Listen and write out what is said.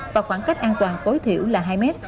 và khoảng cách an toàn tối thiểu là hai mét